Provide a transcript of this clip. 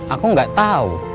aku gak tahu